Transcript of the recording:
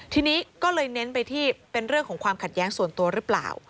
ทีนี้ก็เลยเน้นไปที่เป็นเรื่องของความขัดแย้งส่วนตัวหรือเปล่า